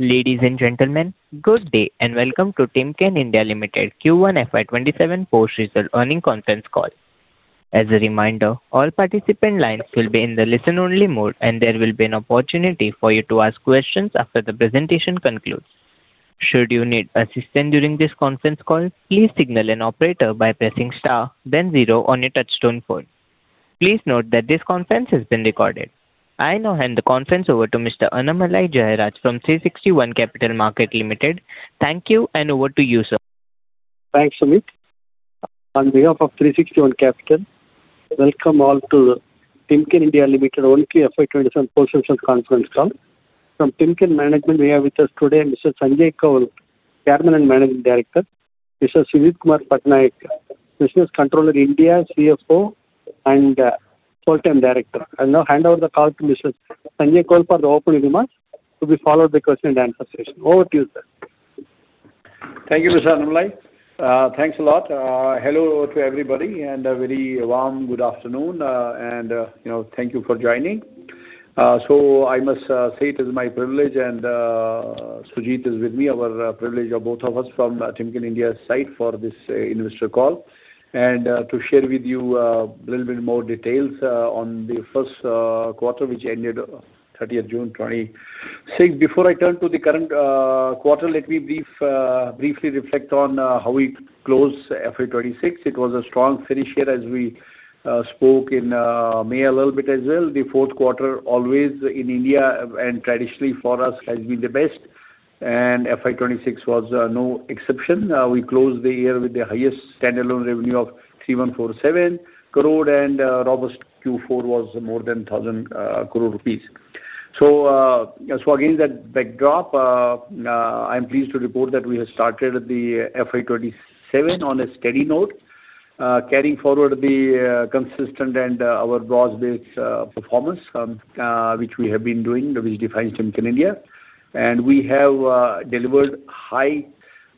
Ladies and gentlemen, good day. Welcome to Timken India Limited Q1 FY 2027 post-result earning conference call. As a reminder, all participant lines will be in the listen-only mode. There will be an opportunity for you to ask questions after the presentation concludes. Should you need assistance during this conference call, please signal an operator by pressing star then zero on your touch-tone phone. Please note that this conference has been recorded. I now hand the conference over to Mr. Annamalai Jayaraj from 360 ONE Capital Market Private Limited. Thank you, over to you, sir. Thanks, Amit. On behalf of 360 ONE Capital, welcome all to Timken India Limited only FY 2027 post-results conference call. From Timken management, we have with us today Mr. Sanjay Koul, Chairman and Managing Director, Mr. Sujit Kumar Pattanaik, Business Controller India, CFO, and Full-time Director. I will now hand over the call to Mr. Sanjay Koul for the opening remarks, to be followed by question and answer session. Over to you, sir. Thank you Mr. Annamalai. Thanks a lot. Hello to everybody, a very warm good afternoon, thank you for joining. I must say it is my privilege, Sujit is with me, our privilege of both of us from Timken India's side for this investor call to share with you a little bit more details on the first quarter, which ended 30th June 2026. Before I turn to the current quarter, let me briefly reflect on how we closed FY 2026. It was a strong finish year as we spoke in May a little bit as well. The fourth quarter always in India, traditionally for us, has been the best. FY 2026 was no exception. We closed the year with the highest standalone revenue of 314.7 crore. Robust Q4 was more than 1,000 crore rupees. Against that backdrop, I am pleased to report that we have started the FY 2027 on a steady note, carrying forward the consistent and our broad-based performance which we have been doing, which defines Timken India. We have delivered high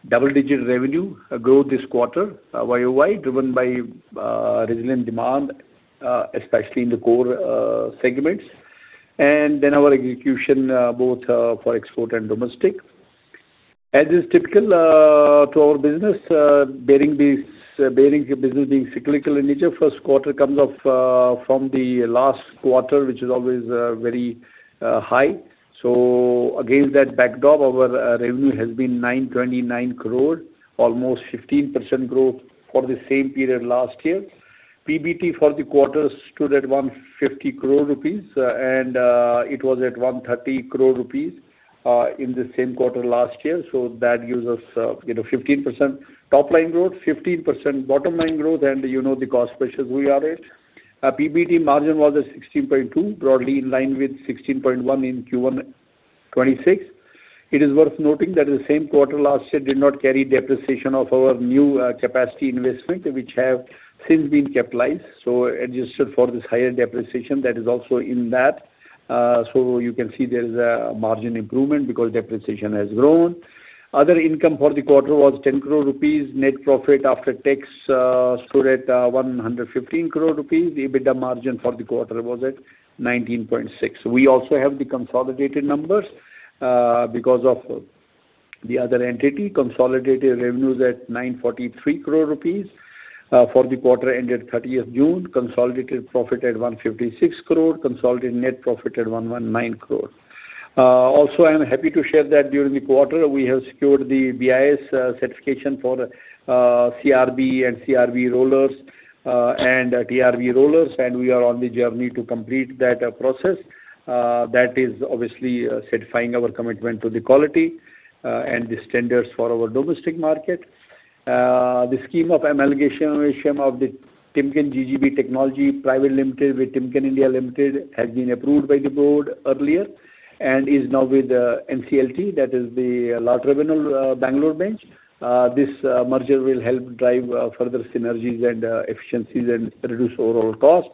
double-digit revenue growth this quarter, year-over-year, driven by resilient demand, especially in the core segments. Our execution both for export and domestic. As is typical to our business, bearing business being cyclical in nature, first quarter comes off from the last quarter, which is always very high. Against that backdrop, our revenue has been 929 crore, almost 15% growth for the same period last year. PBT for the quarter stood at 150 crore rupees, it was at 130 crore rupees in the same quarter last year. That gives us 15% top-line growth, 15% bottom-line growth, and you know the cost pressures we are at. PBT margin was at 16.2, broadly in line with 16.1 in Q1 2026. It is worth noting that the same quarter last year did not carry depreciation of our new capacity investment, which have since been capitalized. Adjusted for this higher depreciation, that is also in that. You can see there is a margin improvement because depreciation has grown. Other income for the quarter was 10 crore rupees. Net profit after tax stood at 115 crore rupees. EBITDA margin for the quarter was at 19.6. We also have the consolidated numbers because of the other entity. Consolidated revenues at 943 crore rupees for the quarter ended 30th June. Consolidated profit at 156 crore. Consolidated net profit at 119 crore. I'm happy to share that during the quarter, we have secured the BIS certification for CRB and CRB rollers and TRB rollers, and we are on the journey to complete that process. That is obviously certifying our commitment to the quality and the standards for our domestic market. The scheme of amalgamation of the Timken GGB Technology Private Limited with Timken India Limited has been approved by the board earlier and is now with the NCLT, that is the Bangalore branch. This merger will help drive further synergies and efficiencies and reduce overall cost.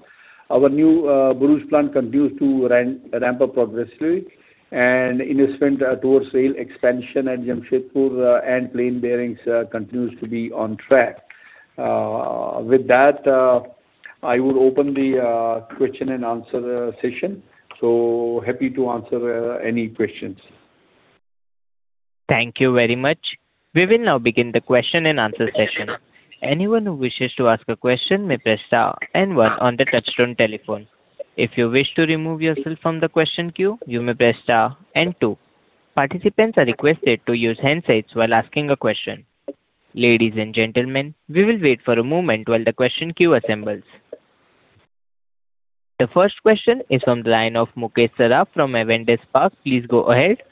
Our new Bharuch plant continues to ramp up progressively, and investment towards rail expansion at Jamshedpur and plain bearings continues to be on track. With that, I will open the question and answer session. Happy to answer any questions. Thank you very much. We will now begin the question and answer session. Anyone who wishes to ask a question may press star and one on the touch-tone telephone. If you wish to remove yourself from the question queue, you may press star and two. Participants are requested to use handsets while asking a question. Ladies and gentlemen, we will wait for a moment while the question queue assembles. The first question is from the line of Mukesh Saraf from Avendus Spark. Please go ahead.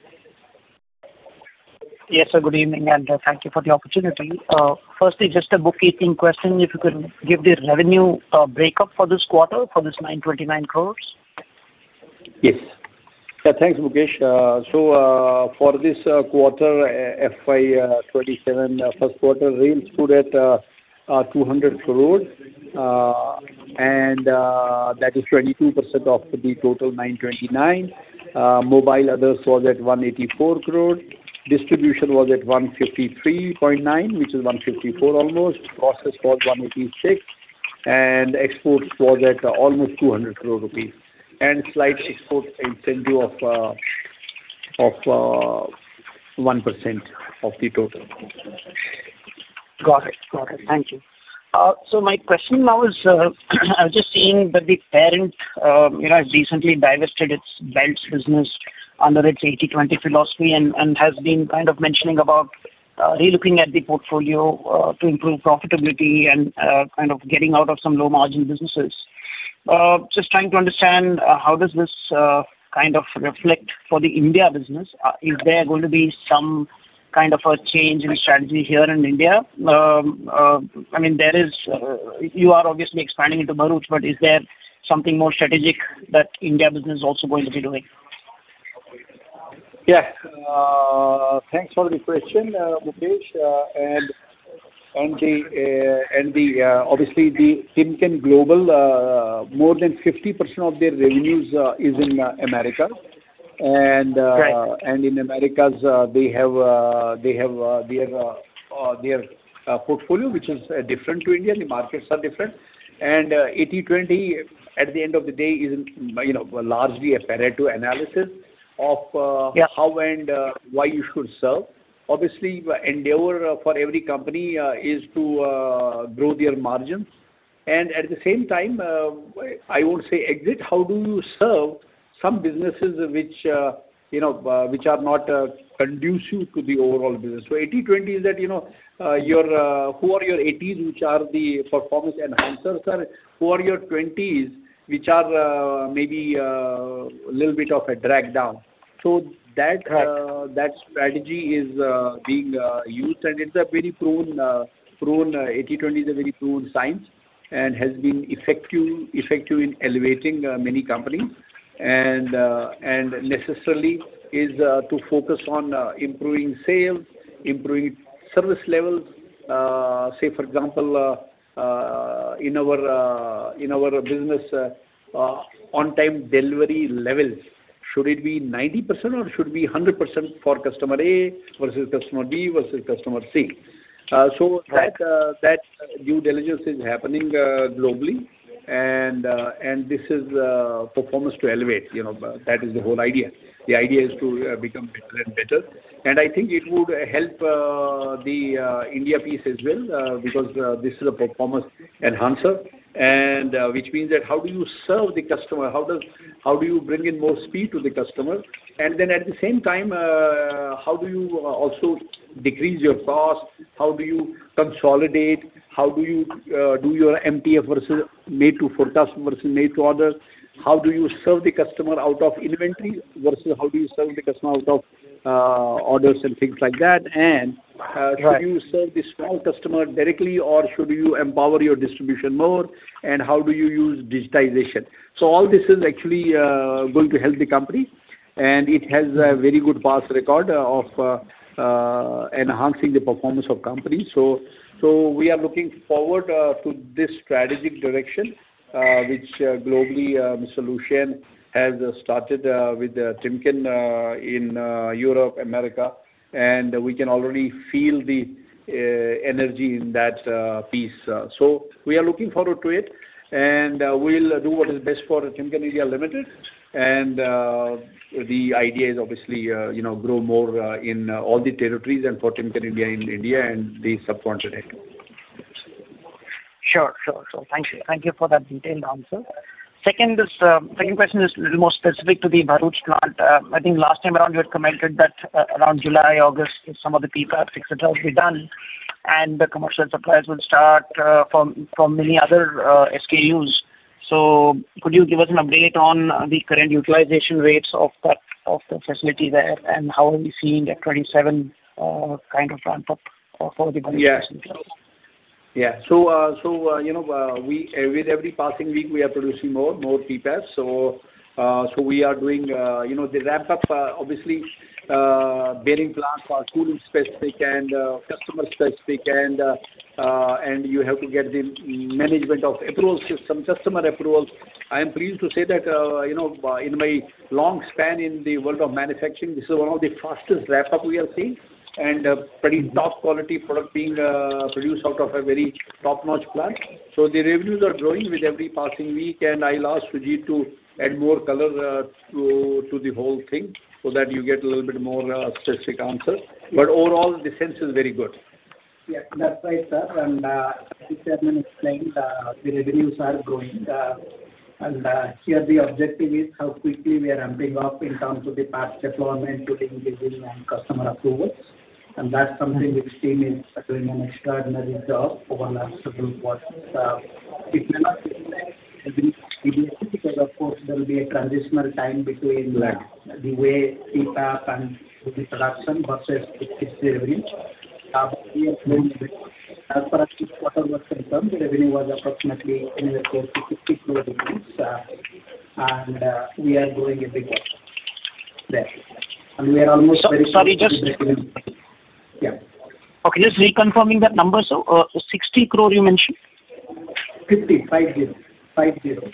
Yes, sir, good evening, and thank you for the opportunity. Firstly, just a bookkeeping question. If you could give the revenue breakup for this quarter, for this 929 crore. Thanks, Mukesh. For this quarter, FY 2027 first quarter, rail stood at 200 crore, that is 22% of the total 929. Mobile others was at 184 crore. Distribution was at 153.9, which is 154 almost. Process was 186. Exports was at almost 200 crore rupees, slight export incentive of 1% of the total. Got it. Thank you. My question now is, I was just seeing that the parent has recently divested its belts business under its 80-20 philosophy has been kind of mentioning about relooking at the portfolio to improve profitability and kind of getting out of some low margin businesses. Just trying to understand how does this kind of reflect for the India business? Is there going to be some kind of a change in strategy here in India? You are obviously expanding into Bharuch, but is there something more strategic that India business is also going to be doing? Thanks for the question, Mukesh. Obviously, the Timken global, more than 50% of their revenues is in America. Right. In Americas, they have their portfolio, which is different to India. The markets are different. 80-20, at the end of the day, is largely a Pareto analysis of- Yeah -how and why you should serve. Obviously, endeavor for every company is to grow their margins. At the same time, I won't say exit. How do you serve some businesses which are not conducive to the overall business? 80-20 is that, who are your 80s, which are the performance enhancers? Who are your 20s, which are maybe a little bit of a drag down. Right Strategy is being used and it's very proven. 80-20 is a very proven science and has been effective in elevating many companies, and necessarily is to focus on improving sales, improving service levels. Say, for example, in our business, on time delivery levels, should it be 90% or should it be 100% for customer A versus customer B versus customer C? Right. That due diligence is happening globally and this is performance to elevate. That is the whole idea. The idea is to become better and better. I think it would help the India piece as well, because this is a performance enhancer, which means that how do you serve the customer? How do you bring in more speed to the customer? Then at the same time, how do you also decrease your cost? How do you consolidate? How do you do your MTF versus Make to Forecast versus made to order? How do you serve the customer out of inventory versus how do you serve the customer out of orders and things like that? Right How do you serve the small customer directly, or should you empower your distribution more, and how do you use digitization? All this is actually going to help the company, and it has a very good past record of enhancing the performance of companies. We are looking forward to this strategic direction, which globally, [Mr. Lucian] has started with Timken in Europe, America, and we can already feel the energy in that piece. We are looking forward to it, and we'll do what is best for Timken India Limited. The idea is obviously grow more in all the territories and for Timken India in India and the subcontinent. Sure. Thank you for that detailed answer. Second question is a little more specific to the Bharuch plant. I think last time around you had commented that around July, August some of the PPAP fixations will be done, and the commercial supplies will start from many other SKUs. Could you give us an update on the current utilization rates of the facility there, and how are we seeing that 27 kind of ramp up for the Bharuch facility? Yeah. With every passing week, we are producing more PPAP. We are doing the ramp up. Obviously, bearing plants are tool specific and customer specific, and you have to get the management approvals, some customer approvals. I am pleased to say that in my long span in the world of manufacturing, this is one of the fastest ramp up we are seeing, and pretty top quality product being produced out of a very top-notch plant. The revenues are growing with every passing week, and I'll ask Sujit to add more color to the whole thing so that you get a little bit more specific answer. Overall, the sense is very good. Yeah, that's right, sir. As chairman explained, the revenues are growing. Here the objective is how quickly we are ramping up in terms of the past deployment, putting vision and customer approvals. That's something which team is doing an extraordinary job over the last several quarters. It may not be linear because, of course, there will be a transitional time between- Right. -the way PPAP and pre-production versus its revenue. We are doing very good. As far as this quarter was concerned, the revenue was approximately in the range of 50 crore rupees, and we are growing every quarter there. We are almost very close to breaking even. Sorry. Yeah. Okay. Just reconfirming that number, sir. 60 crore you mentioned? 50. Five, zero. Five, zero.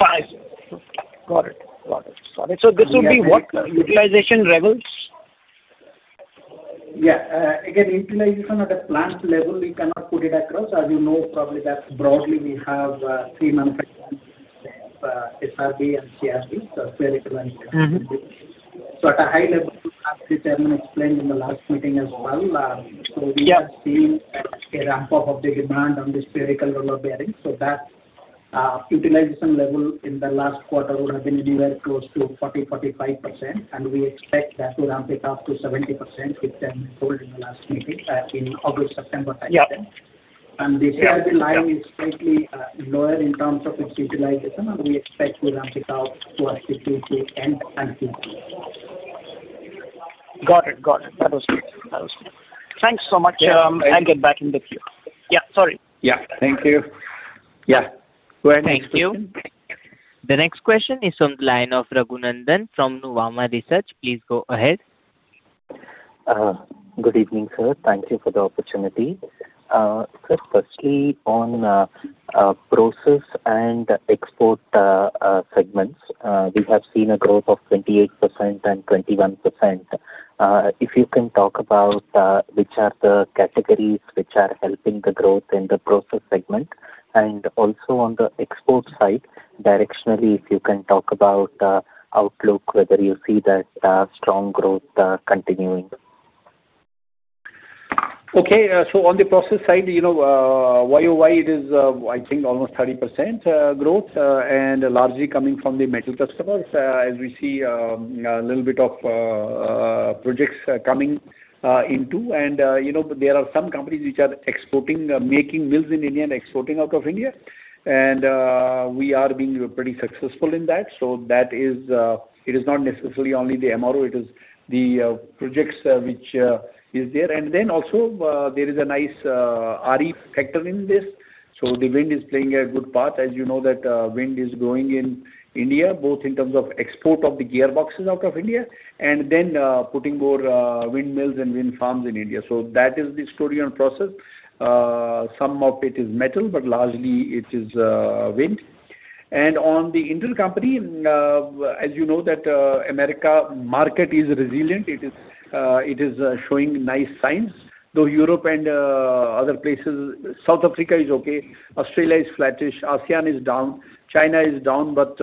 Got it. We are very close. This would be what utilization levels? Yeah. Again, utilization at a plant level, we cannot put it across. As you know, probably that broadly we have three manufacturers, SRB and CRB. At a high level, as Sujit explained in the last meeting as well, we have seen a ramp-up of the demand on the spherical roller bearings. That utilization level in the last quarter would have been anywhere close to 40%-45%, and we expect that to ramp it up to 70%, which Tan told in the last meeting, in August, September timeframe. Yeah. The SRB line is slightly lower in terms of its utilization, and we expect to ramp it up towards the Q3 end and Q4. Got it. That was clear. Thanks so much. Yeah. I'll get back in the queue. Yeah, sorry. Yeah. Thank you. Yeah. Go ahead, next question. Thank you. The next question is on the line of Raghunandhan NL from Nuvama Research. Please go ahead. Good evening, sir. Thank you for the opportunity. Sir, firstly, on process and export segments, we have seen a growth of 28% and 21%. If you can talk about which are the categories which are helping the growth in the process segment and also on the export side, directionally, if you can talk about outlook, whether you see that strong growth continuing. Okay. On the process side, year-over-year it is, I think, almost 30% growth, largely coming from the metal customers, as we see a little bit of projects coming into. There are some companies which are exporting, making mills in India and exporting out of India, and we are being pretty successful in that. It is not necessarily only the MRO, it is the projects which is there. Also there is a nice RE factor in this. The wind is playing a good part. As you know that wind is growing in India, both in terms of export of the gearboxes out of India and then putting more windmills and wind farms in India. That is the story on process. Some of it is metal, but largely it is wind. On the intercompany, as you know that America market is resilient. It is showing nice signs, though Europe and other places South Africa is okay, Australia is flattish, ASEAN is down, China is down, but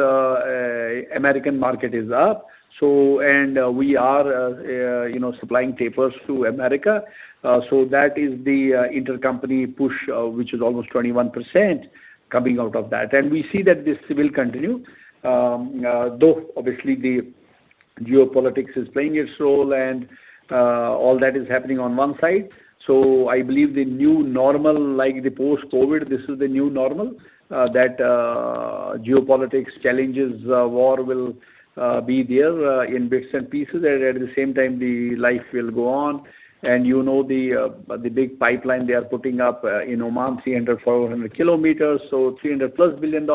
American market is up. We are supplying tapers to America. That is the intercompany push, which is almost 21% coming out of that. We see that this will continue, though obviously the geopolitics is playing its role and all that is happening on one side. I believe the new normal, like the post-COVID, this is the new normal, that geopolitics challenges, war will be there in bits and pieces, and at the same time, the life will go on. You know the big pipeline they are putting up in Oman, 300km-400 km, $300-plus billion,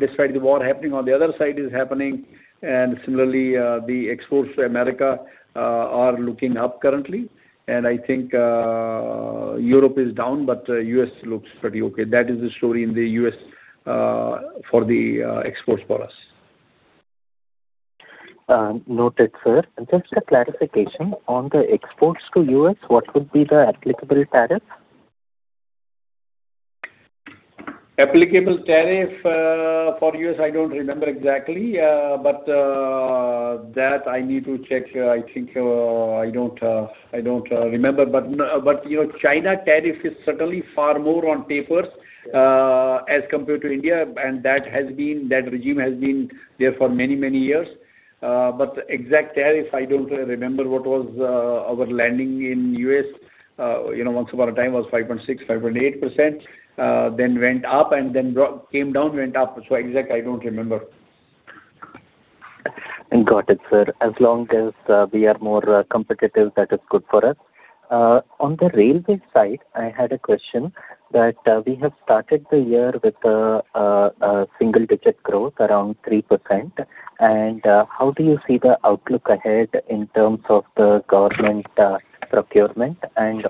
despite the war happening on the other side is happening, and similarly, the exports to America are looking up currently. I think Europe is down, but U.S. looks pretty okay. That is the story in the U.S. for the exports for us. Noted, sir. Just a clarification. On the exports to U.S., what would be the applicable tariff? Applicable tariff for U.S., I don't remember exactly. That I need to check. I think I don't remember, your China tariff is certainly far more on tapers as compared to India, and that regime has been there for many, many years. Exact tariff, I don't remember what was our landing in U.S. Once upon a time was 5.6%, 5.8%, then went up and then came down, went up. Exact, I don't remember. Got it, sir. As long as we are more competitive, that is good for us. On the railway side, I had a question that we have started the year with a single-digit growth around 3%. How do you see the outlook ahead in terms of the government procurement?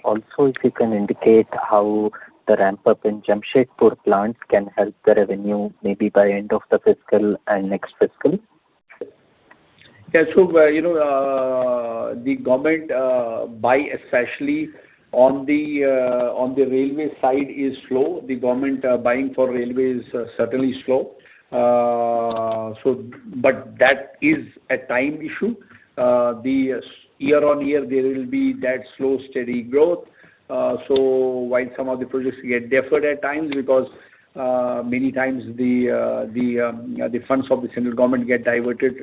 Also, if you can indicate how the ramp-up in Jamshedpur plants can help the revenue, maybe by end of the fiscal and next fiscal. The government buy, especially on the railway side, is slow. The government buying for railway is certainly slow. That is a time issue. Year-on-year, there will be that slow, steady growth. While some of the projects get deferred at times because many times the funds of the central government get diverted,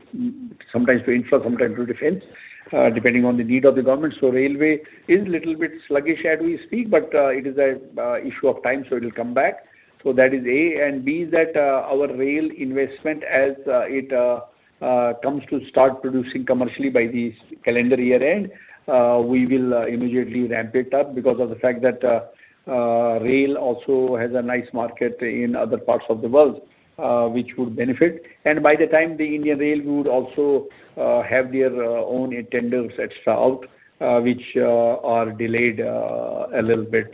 sometimes to infra, sometimes to defense, depending on the need of the government. Railway is little bit sluggish as we speak, but it is an issue of time, it will come back. That is A and B is that our rail investment as it comes to start producing commercially by this calendar year-end, we will immediately ramp it up because of the fact that rail also has a nice market in other parts of the world, which would benefit. By the time the Indian Railway would also have their own tenders, et cetera, out, which are delayed a little bit.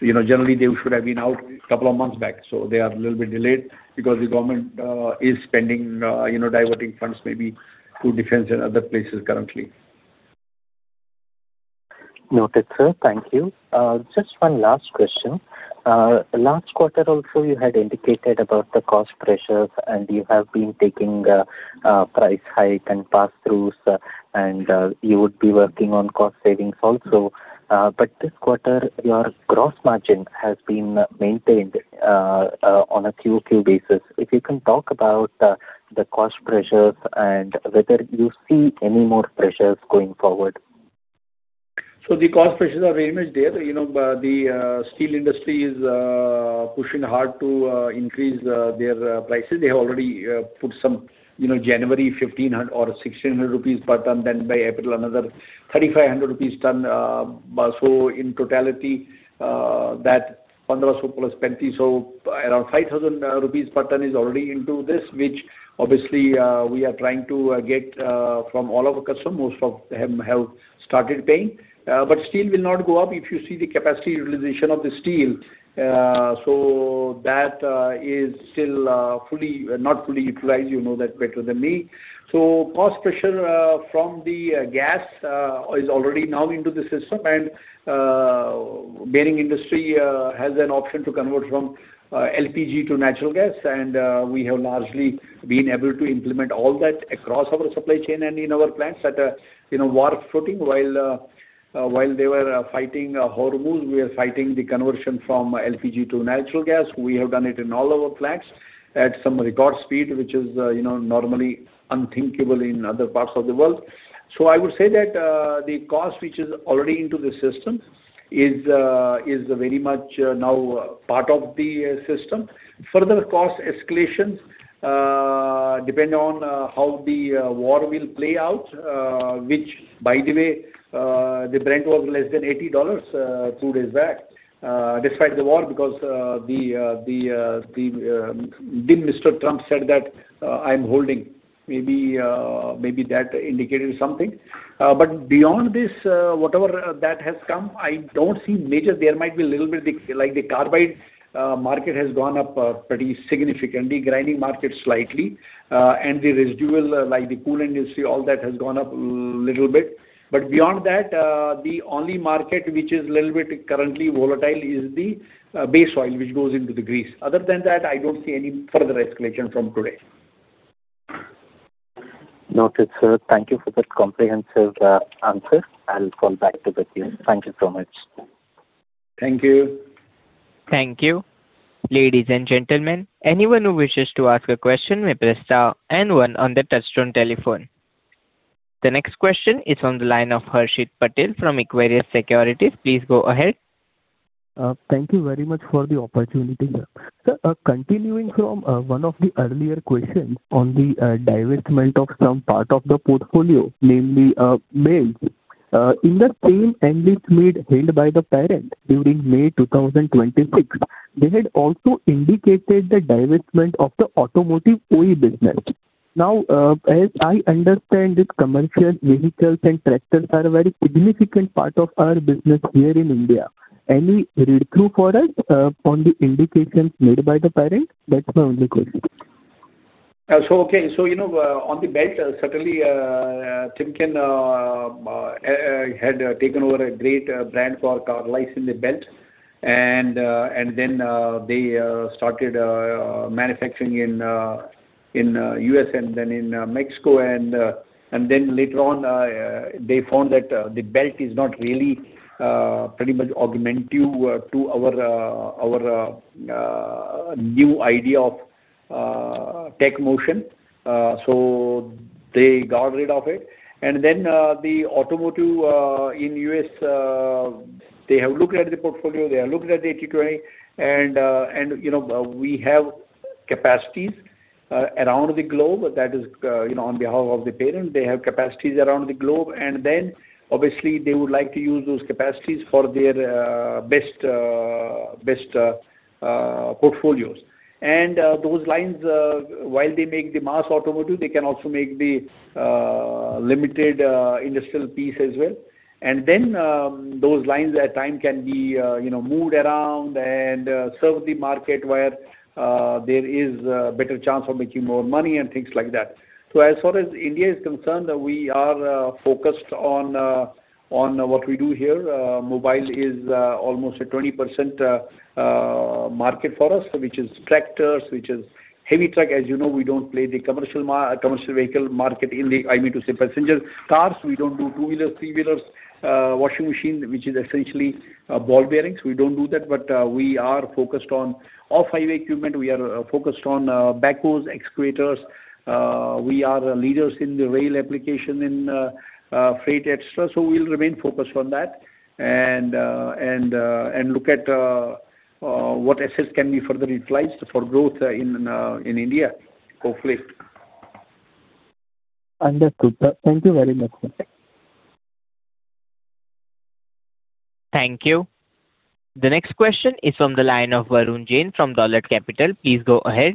Generally, they should have been out a couple of months back. They are a little bit delayed because the government is diverting funds maybe to defense and other places currently. Noted, sir. Thank you. Just one last question. Last quarter also, you had indicated about the cost pressures. You have been taking a price hike and passthroughs, and you would be working on cost savings also. This quarter, your gross margin has been maintained on a QOQ basis. If you can talk about the cost pressures and whether you see any more pressures going forward. The cost pressures are very much there. The steel industry is pushing hard to increase their prices. They have already put some January 1,500 or 1,600 rupees per ton, then by April, another 3,500 rupees per ton. In totality, that 15 plus 30, around 5,000 rupees per ton is already into this, which obviously we are trying to get from all of our customers. Most of them have started paying. Steel will not go up if you see the capacity utilization of the steel. That is still not fully utilized. You know that better than me. Cost pressure from the gas is already now into the system, and bearing industry has an option to convert from LPG to natural gas. We have largely been able to implement all that across our supply chain and in our plants that are war footing while they were fighting Hormuz, we are fighting the conversion from LPG to natural gas. We have done it in all our plants at some record speed, which is normally unthinkable in other parts of the world. I would say that the cost, which is already into the system, is very much now part of the system. Further cost escalations depend on how the war will play out which, by the way, the Brent was less than $80 two days back, despite the war, because the then Mr. Trump said that, "I'm holding." Maybe that indicated something. Beyond this, whatever that has come, I don't see major. There might be a little bit, like the carbide market has gone up pretty significantly, grinding market slightly. The residual, like the cooling industry, all that has gone up a little bit. Beyond that, the only market which is a little bit currently volatile is the base oil, which goes into the grease. Other than that, I don't see any further escalation from today. Noted, sir. Thank you for that comprehensive answer. I'll come back to the queue. Thank you so much. Thank you. Thank you. Ladies and gentlemen, anyone who wishes to ask a question may press star and one on the touchtone telephone. The next question is on the line of Harshit Patel from Equirus Securities. Please go ahead. Thank you very much for the opportunity. Sir, continuing from one of the earlier questions on the divestment of some part of the portfolio, namely belts. In the same earnings meet held by the parent during May 2026, they had also indicated the divestment of the automotive OE business. As I understand it, commercial vehicles and tractors are a very significant part of our business here in India. Any read-through for us on the indications made by the parent? That's my only question. Okay. On the belt, certainly Timken had taken over a great brand for our license, the belt. They started manufacturing in U.S. and then in Mexico, and then later on, they found that the belt is not really pretty much augmentative to our new idea of Techmotion. They got rid of it. The automotive in U.S., they have looked at the portfolio, they are looking at the 80/20, and we have capacities around the globe. That is on behalf of the parent. They have capacities around the globe, and then obviously they would like to use those capacities for their best portfolios. Those lines while they make the mass automotive, they can also make the limited industrial piece as well. Those lines at time can be moved around and serve the market where there is a better chance of making more money and things like that. As far as India is concerned, we are focused on what we do here. Mobile is almost a 20% market for us, which is tractors, which is heavy truck. As you know, we don't play the commercial vehicle market, I mean to say passenger cars. We don't do two-wheeler, three-wheelers, washing machine, which is essentially ball bearings. We don't do that, but we are focused on off-highway equipment. We are focused on backhoes, excavators. We are leaders in the rail application in freight, et cetera. We'll remain focused on that and look at what assets can be further utilized for growth in India, hopefully. Understood, Sir. Thank you very much. Thank you. The next question is from the line of Varun Jain from Dolat Capital. Please go ahead.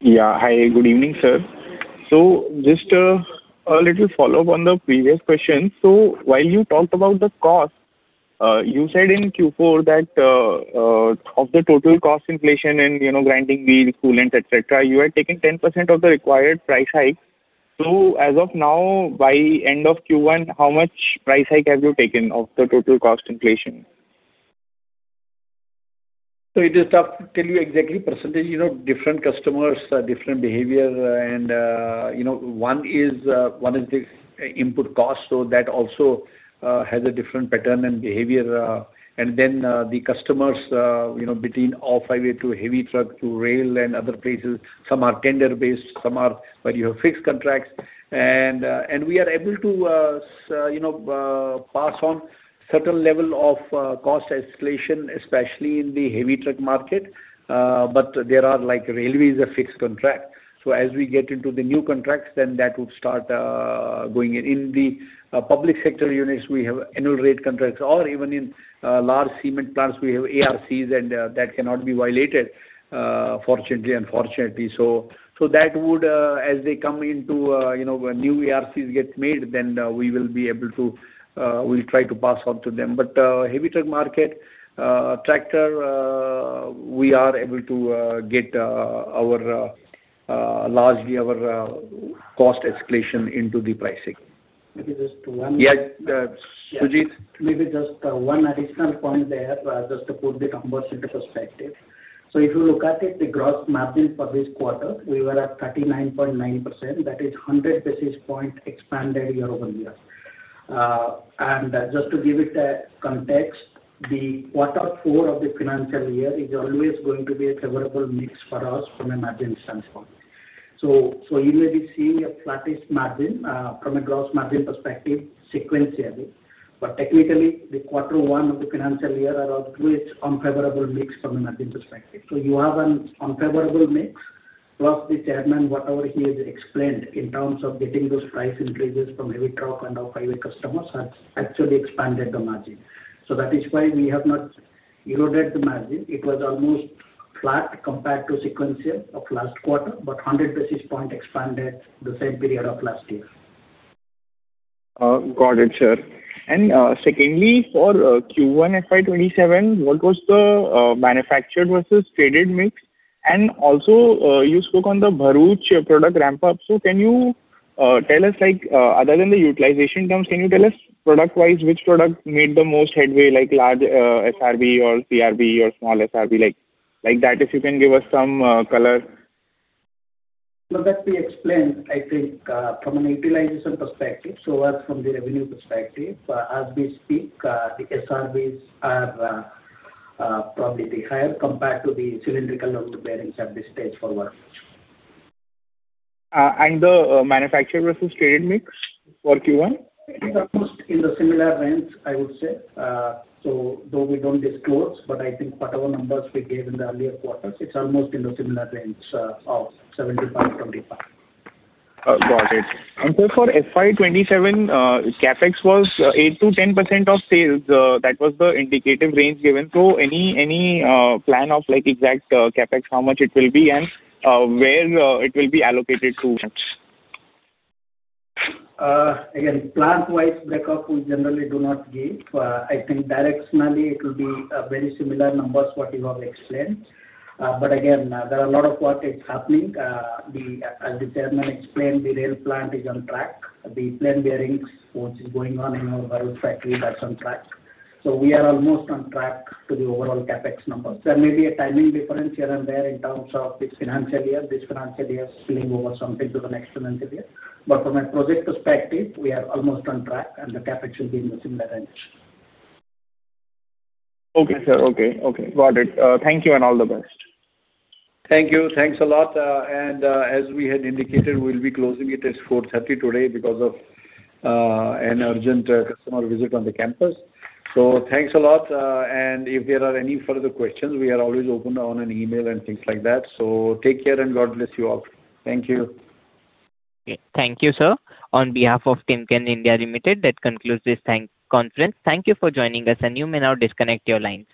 Yeah. Hi, good evening, sir. Just a little follow-up on the previous question. While you talked about the cost, you said in Q4 that of the total cost inflation and grinding wheel, coolant, et cetera, you are taking 10% of the required price hike. As of now, by end of Q1, how much price hike have you taken of the total cost inflation? It is tough to tell you exactly percentage. Different customers, different behavior. One is the input cost, that also has a different pattern and behavior. Then the customers between off-highway to heavy truck to rail and other places, some are tender-based, some are where you have fixed contracts. We are able to pass on certain level of cost escalation, especially in the heavy truck market. There are, like railways, a fixed contract. As we get into the new contracts, that would start going in. In the public sector units, we have Annual Rate Contracts, or even in large cement plants, we have ARCs, that cannot be violated, fortunately and unfortunately. That would, as they come into new ARCs get made, we'll try to pass on to them. Heavy truck market, tractor, we are able to get largely our cost escalation into the pricing. Maybe just one. Yeah. Sujit. Yeah. Maybe just one additional point there, just to put the numbers into perspective. If you look at it, the gross margin for this quarter, we were at 39.9%. That is 100 basis points expanded year-over-year. Just to give it a context, the quarter four of the financial year is always going to be a favorable mix for us from a margin standpoint. You may be seeing a flattish margin from a gross margin perspective sequentially. Technically, the quarter one of the financial year are always unfavorable mix from a margin perspective. You have an unfavorable mix, plus the Chairman, whatever he has explained in terms of getting those price increases from heavy truck and off-highway customers has actually expanded the margin. That is why we have not eroded the margin. It was almost flat compared to sequential of last quarter, but 100 basis points expanded the same period of last year. Secondly, for Q1 FY 2027, what was the manufactured versus traded mix? Also, you spoke on the Bharuch product ramp-up. Can you tell us, other than the utilization terms, can you tell us product-wise which product made the most headway, like large SRB or CRB or small SRB? Like that, if you can give us some color. That we explained, I think, from an utilization perspective, as from the revenue perspective, as we speak, the SRBs are probably the higher compared to the cylindrical roller bearings at this stage for Bharuch. The manufactured versus traded mix for Q1? It is almost in the similar range, I would say. Though we don't disclose, but I think whatever numbers we gave in the earlier quarters, it's almost in the similar range of 75/25. Got it. For FY 2027, CapEx was 8%-10% of sales. That was the indicative range given. Any plan of exact CapEx, how much it will be, and where it will be allocated to which? Again, plant-wise breakup we generally do not give. I think directionally it will be very similar numbers what you have explained. Again, there are a lot of work is happening. As the Chairman explained, the rail plant is on track. The plain bearings, which is going on in our Bharuch factory, that's on track. We are almost on track to the overall CapEx numbers. There may be a timing difference here and there in terms of this financial year, this financial year spilling over something to the next financial year. From a project perspective, we are almost on track, and the CapEx will be in the similar range. Okay, sir. Okay. Got it. Thank you, and all the best. Thank you. Thanks a lot. As we had indicated, we'll be closing it at 4:30 P.M. today because of an urgent customer visit on the campus. Thanks a lot. If there are any further questions, we are always open on an email and things like that. Take care, and God bless you all. Thank you. Okay. Thank you, sir. On behalf of Timken India Limited, that concludes this conference. Thank you for joining us, and you may now disconnect your line.